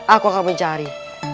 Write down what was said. aku akan mencari